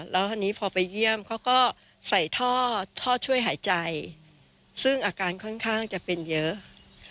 แล้วทีนี้พอไปเยี่ยมเขาก็ใส่ท่อช่วยหายใจซึ่งอาการค่อนข้างจะเป็นเยอะ